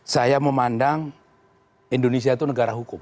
saya memandang indonesia itu negara hukum